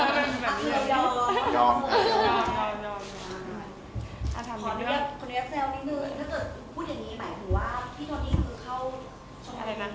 พี่โทนิคเข้าชมรมแบบนี้แล้วใช่ไหมคะ